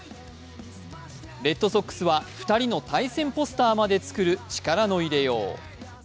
レッドソックスは、２人の対戦ポスターまで作る力の入れよう。